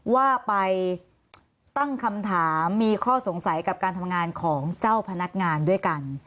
ว่าไปตั้งคำถามมีข้อสงสัยกับการทำงานของเจ้าพนักงานด้วยกัน